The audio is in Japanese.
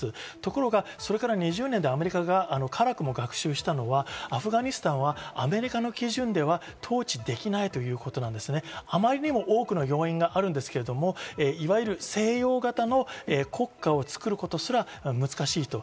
ところがそれから２０年でアメリカがからくも学習したのはアフガニスタンはアメリカの基準では統治できない、あまりにも多くの要因があるんですけど、西洋型の国家をつくることさえ難しい。